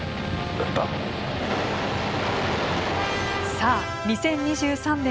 さあ２０２３年